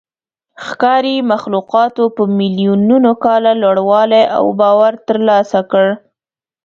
ښکاري مخلوقاتو په میلیونونو کاله لوړوالی او باور ترلاسه کړ.